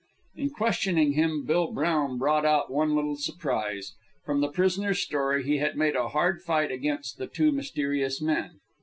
In questioning him. Bill Brown brought out one little surprise. From the prisoner's story, he had made a hard fight against the two mysterious men.